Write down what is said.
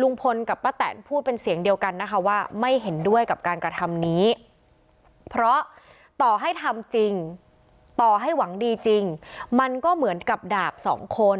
ลุงพลกับป้าแตนพูดเป็นเสียงเดียวกันนะคะว่าไม่เห็นด้วยกับการกระทำนี้เพราะต่อให้ทำจริงต่อให้หวังดีจริงมันก็เหมือนกับดาบสองคน